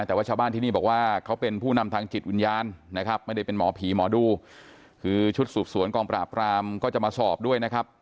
แต่ว่าชาวบ้านที่นี่บอกว่าเขาเป็นผู้นำทางจิตวิญญาณนะครับไม่ได้เป็นหมอผีหมอดูคือชุดสืบสวนกองปราบรามก็จะมาสอบด้วยนะครับ